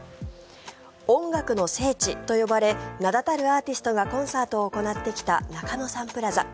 音楽の聖地と呼ばれ名立たるアーティストがコンサートを行ってきた中野サンプラザ。